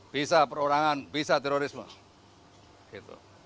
bisa perurangan bisa terorisme